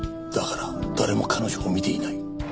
だから誰も彼女を見ていない。